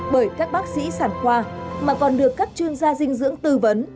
bởi các bác sĩ sản khoa mà còn được các chuyên gia dinh dưỡng tư vấn